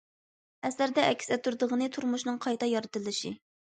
ئەسەردە ئەكس ئەتتۈرىدىغىنى‹‹ تۇرمۇشنىڭ قايتا يارىتىلىشى››.